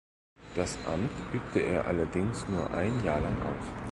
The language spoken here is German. Das Amt übte er allerdings nur ein Jahr lang aus.